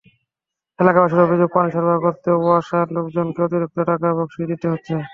এলাকাবাসীর অভিযোগ, পানি সরবরাহ করতেও ওয়াসার লোকজনকে অতিরিক্ত টাকা বকশিশ দিতে হচ্ছে।